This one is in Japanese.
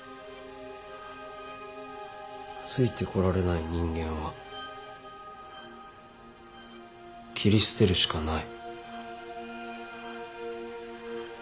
付いてこられない人間は切り捨てるしかない。